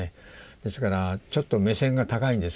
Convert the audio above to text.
ですからちょっと目線が高いんですね。